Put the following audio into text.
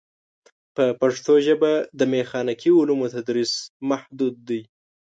په پښتو ژبه د میخانیکي علومو تدریس محدود دی.